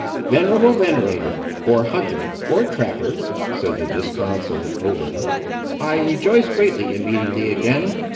"Venerable venator, or hunter, or trapper," said the disconsolate Obed, "I rejoice greatly in meeting thee again.